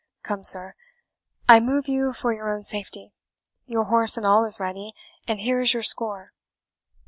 Come, sir, I move you for your own safety. Your horse and all is ready, and here is your score."